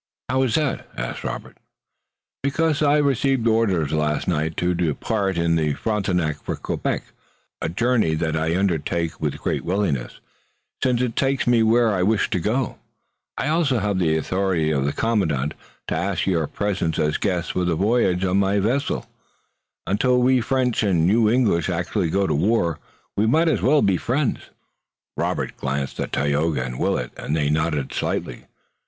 "How is that?" asked Robert "Because I received orders last night to depart in the Frontenac for Quebec, a journey that I undertake with great willingness, since it takes me where I wish to go. I have also the authority of the commandant to ask your presence as guests for the voyage on board my vessel. Until we French and you English actually go to war we might as well be friends." Robert glanced at Tayoga and Willet and they nodded slightly.